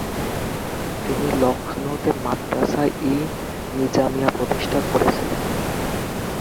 তিনি লখনউতে মাদ্রাসা-ই-নিজামিয়া প্রতিষ্ঠা করেছিলেন।